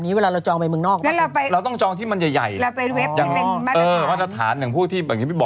นี่ไงลูกออนไลน์ทำถึง๒ปีเลยน่ะ๒ปี